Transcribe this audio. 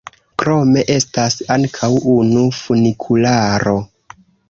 Krome estas ankaŭ unu funikularo.